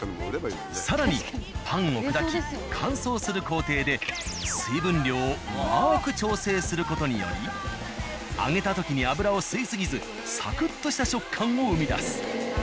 更にパンを砕き乾燥する工程で水分量をうまく調整する事により揚げた時に油を吸い過ぎずサクッとした食感を生み出す。